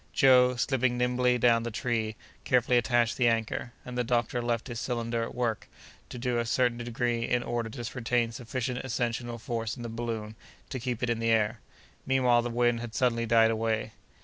Joe, slipping nimbly down the tree, carefully attached the anchor, and the doctor left his cylinder at work to a certain degree in order to retain sufficient ascensional force in the balloon to keep it in the air. Meanwhile the wind had suddenly died away.